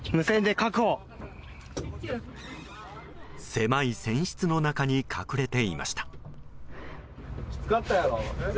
狭い船室の中に隠れていました。